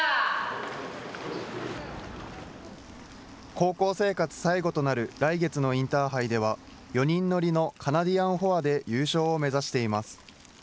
高校生活最後となる来月のインターハイでは、４人乗りのカナディアンフォアで優勝を目指しています。